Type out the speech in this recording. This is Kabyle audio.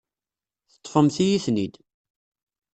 Teṭṭfemt-iyi-ten-id.